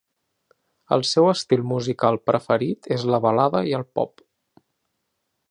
El seu estil musical preferit és la balada i el pop.